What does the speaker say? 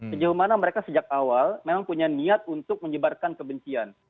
sejauh mana mereka sejak awal memang punya niat untuk menyebarkan kebencian